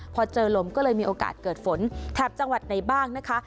พอเจอลมก็เลยมีโอกาสเกิดฝนแถบจังหวัดไหนบ้างนะคะ